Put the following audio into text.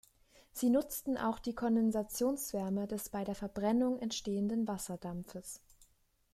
Sie nutzen auch die Kondensationswärme des bei der Verbrennung entstehenden Wasserdampfes.